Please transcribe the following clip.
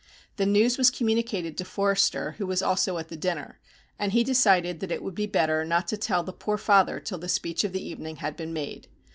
The news was communicated to Forster, who was also at the dinner, and he decided that it would be better not to tell the poor father till the speech of the evening had been made.